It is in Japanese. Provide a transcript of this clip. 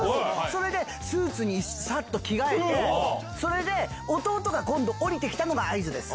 それでスーツにさっと着替えて、それで、弟が今度下りてきたのが合図です。